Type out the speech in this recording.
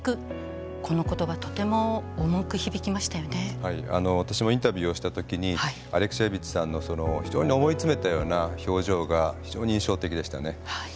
はい私もインタビューをした時にアレクシエービッチさんの非常に思い詰めたような表情が非常に印象的でしたね。